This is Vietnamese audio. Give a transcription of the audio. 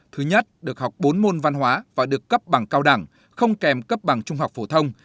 thứ nhất được học bốn môn văn hóa và được cấp bằng cao đẳng không kèm cấp bằng trung học phổ thông